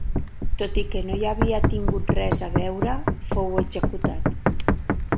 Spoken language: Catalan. Tot i que no hi havia tingut res a veure, fou executat.